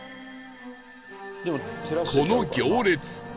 この行列店